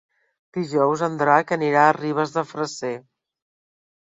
Dijous en Drac anirà a Ribes de Freser.